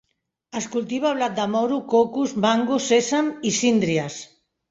Es cultiva blat de moro, cocos, mango, sèsam i síndries.